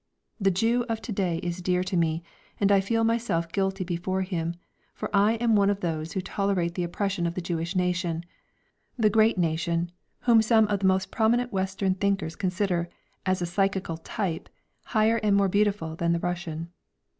The Jew of to day is dear to me, and I feel myself guilty before him, for I am one of those who tolerate the oppression of the Jewish nation, the great nation, whom some of the most prominent Western thinkers consider, as a psychical type, higher and more beautiful than the Russian.